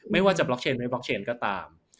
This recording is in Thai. ไม่ว่าจะบล็อกเชนไม่บล็อกเชนก็ตาม